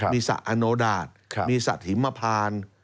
มีสะอนดาตมีสัตว์หิมพาน